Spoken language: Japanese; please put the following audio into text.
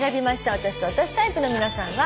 私と私タイプの皆さんは。